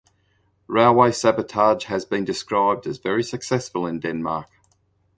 Railway sabotage has been described as very successful in Denmark.